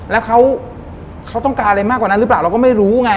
แล้วเขาต้องการอะไรมากกว่านั้นหรือเปล่าเราก็ไม่รู้ไง